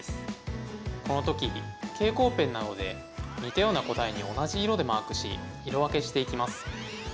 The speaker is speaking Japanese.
このときに蛍光ペンなどで似たような答えに同じ色でマークし色分けしていきます。